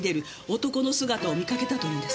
男の姿を見かけたというんです。